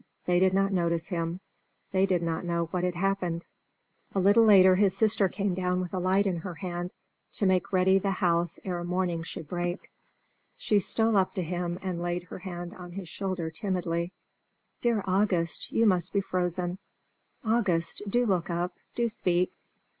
They did not notice him; they did not know what had happened. A little later his sister came down with a light in her hand to make ready the house ere morning should break. She stole up to him and laid her hand on his shoulder timidly. "Dear August, you must be frozen. August, do look up! do speak!"